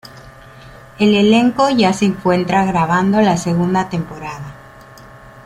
El elenco ya se encuentra grabando la segunda temporada.